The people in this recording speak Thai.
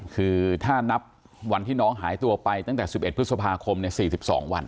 คือถ้านับวันที่น้องหายตัวไปตั้งแต่๑๑พฤษภาคม๔๒วัน